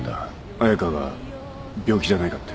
彩佳が病気じゃないかって。